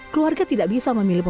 keluarga tidak bisa menolong orangnya